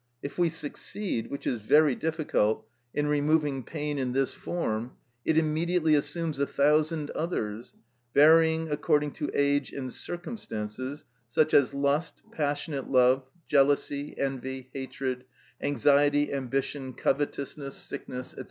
If we succeed, which is very difficult, in removing pain in this form, it immediately assumes a thousand others, varying according to age and circumstances, such as lust, passionate love, jealousy, envy, hatred, anxiety, ambition, covetousness, sickness, &c.